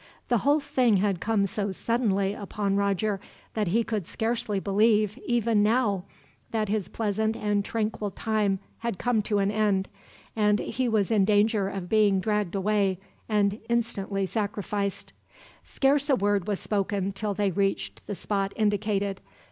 The whole thing had come so suddenly upon Roger that he could scarcely believe, even now, that his pleasant and tranquil time had come to an end, and he was in danger of being dragged away and instantly sacrificed. Scarce a word was spoken until they reached the spot indicated.